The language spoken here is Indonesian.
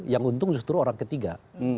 yang untung justru orang ketiga